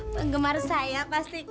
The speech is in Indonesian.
penggemar saya pasti kak